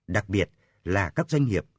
đặc biệt là các doanh nghiệp